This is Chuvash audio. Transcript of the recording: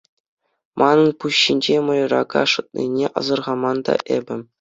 Манӑн пуҫ ҫинче «мӑйрака» шӑтнине асӑрхаман та эпӗ.